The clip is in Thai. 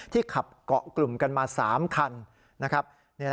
ที่ขับเกาะกลุ่มกันมา๓คัน